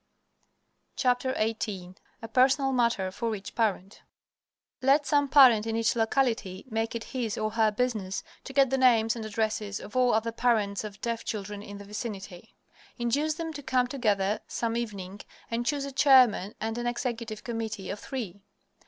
XVIII A PERSONAL MATTER FOR EACH PARENT Let some parent in each locality make it his or her business to get the names and addresses of all other parents of deaf children in the vicinity. Induce them to come together some evening and choose a chairman and an executive committee of three.